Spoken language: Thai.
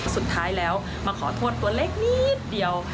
สุดท้ายแล้วมาขอโทษตัวเล็กนิดเดียว